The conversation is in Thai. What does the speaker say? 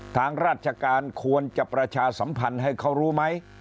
ทางราชการควรจะประชาสัมพันธ์ให้เขารู้ไหม